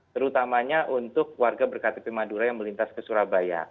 terutamanya untuk warga berktp madura yang melintas ke surabaya